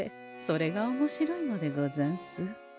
それがおもしろいのでござんす。